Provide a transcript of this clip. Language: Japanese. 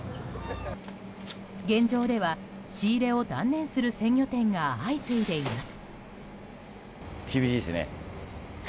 現状では仕入れを断念する鮮魚店が相次いでいます。